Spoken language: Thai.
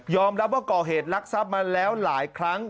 ยอมรับว่าก่อเหตุลักษณ์ทรัพย์มาแล้วหลายครั้ง